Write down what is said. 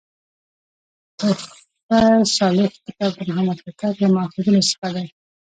"تحفه صالح کتاب" د محمد هوتک له ماخذونو څخه دﺉ.